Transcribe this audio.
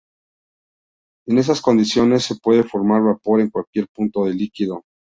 En esas condiciones se puede formar vapor en cualquier punto del líquido.